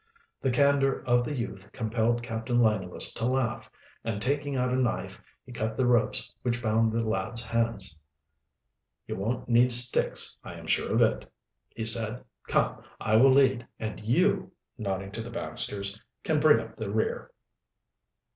The candor of the youth compelled Captain Langless to laugh, and, taking out a knife, he cut the ropes which bound the lads' hands. "You won't need sticks, I am sure of it," he said. "Come, I will lead, and you" nodding to the Baxters "can bring up the rear."